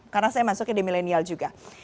karena saya masuknya di milenial juga